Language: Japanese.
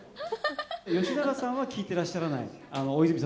吉永さんは聞いてらっしゃらない？